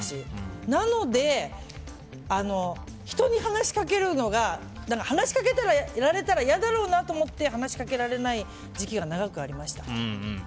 なので、人に話しかけるのが話しかけられたら嫌だろうなと思って話しかけられない時期が長くありました。